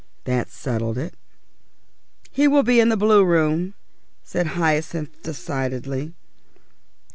That settled it. "He will be in the Blue Room," said Hyacinth decidedly.